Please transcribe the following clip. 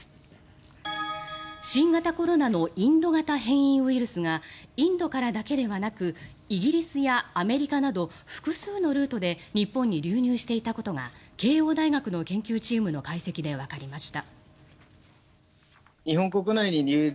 新型コロナのインド型変異ウイルスがインドからだけではなくイギリスやアメリカなど複数のルートで日本に流入していたことが慶応義塾大学の研究チームの解析でわかりました。